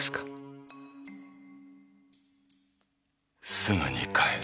すぐに帰る。